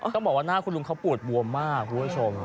ต้องบอกว่าหน้าคุณลุงเขาปวดบวมมากคุณผู้ชม